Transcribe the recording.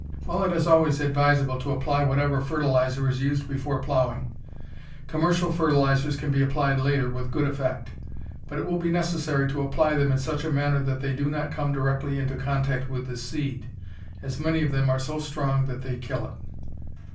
While it is always advisable to apply whatever fertilizer is used before plowing, commercial fertilizers can be applied later with good effect; but it will be necessary to apply them in such a manner that they do not come directly into contact with the seed, as many of them are so strong that they kill it.